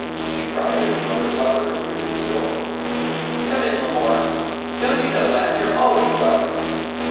she cried as Mother Hubbard appeared at the door. 'Come in, L'Amour don't you know, lass, you're always welcome?'